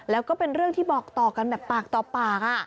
แล้วก็เป็นเรื่องที่บอกต่อกันแบบปากต่อปาก